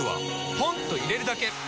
ポンと入れるだけ！